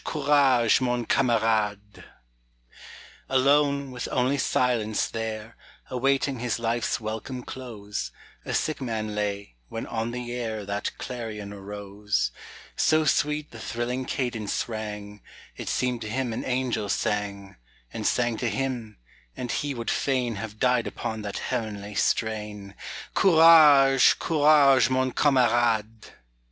courage, mon camarade! Alone, with only silence there, Awaiting his life's welcome close, A sick man lay, when on the air That clarion arose; So sweet the thrilling cadence rang, It seemed to him an angel sang, And sang to him; and he would fain Have died upon that heavenly strain Courage! courage, mon camarade!